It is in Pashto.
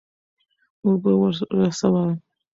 اوبه ورسوه.